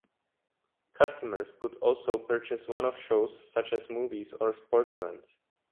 Customers could also purchase one off shows such as movies or sport events.